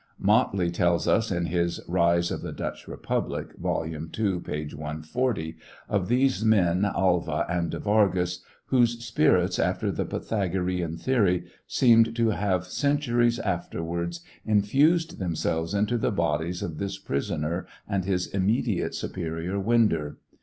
Motley tells us in his "Else of the Dutch Republic," vol. II, p. 140, of these men Alva and De Vargas, whose spirits, after the Pythagorian theory, seemed to have centuries afterwards infused themselves into the bodies of this prisoner and his immediate superior, Winder.